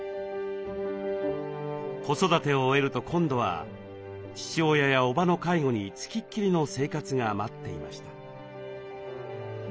子育てを終えると今度は父親やおばの介護に付きっきりの生活が待っていました。